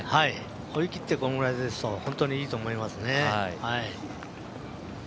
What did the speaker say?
追い切ってこのぐらいだと本当にいいと思いますね。